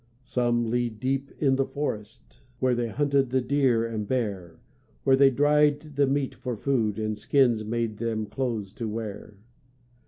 Some lead deep in the forest Where they hunted the deer and bear, Where they dried the meat for food And skins made them clothes to wear.